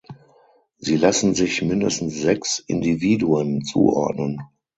Sie lassen sich mindestens sechs Individuen zuordnen.